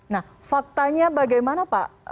nah faktanya bagaimana pak